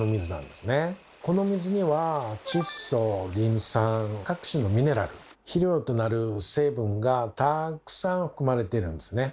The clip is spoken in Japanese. この水には窒素リン酸各種のミネラル肥料となる成分がたくさん含まれているんですね。